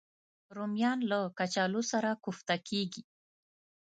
رومیان له کچالو سره کوفته کېږي